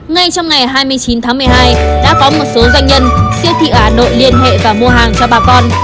ngay trong ngày hai mươi chín tháng một mươi hai đã có một số doanh nhân siêu thị ở hà nội liên hệ và mua hàng cho bà con